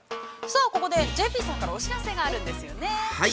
さあ、ここでＪＰさんからお知らせがあるんですよね。